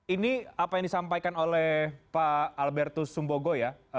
ini apa yang disampaikan oleh pak albertus sumbogo ya